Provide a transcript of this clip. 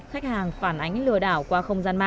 khách hàng phản ánh lừa đảo qua không gian mạng